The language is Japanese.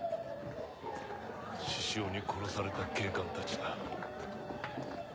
志々雄に殺された警官たちだ。